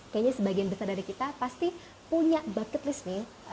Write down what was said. kayaknya sebagian besar dari kita pasti punya bucket list nih